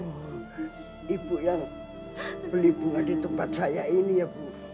oh ibu yang beli bunga di tempat saya ini ya bu